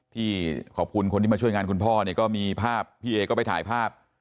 ที่ขอบคุณคนที่มาช่วยงานคุณพ่อเนี่ยก็มีภาพพี่เอก็ไปถ่ายภาพ